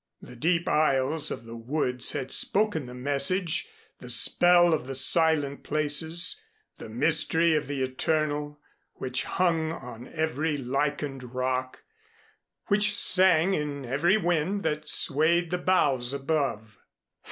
The deep aisles of the woods had spoken the message, the spell of the silent places, the mystery of the eternal which hung on every lichened rock, which sang in every wind that swayed the boughs above.